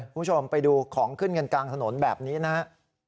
คุณผู้ชมไปดูของขึ้นกันกลางถนนแบบนี้นะครับ